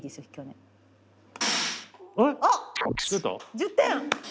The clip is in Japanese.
１０点！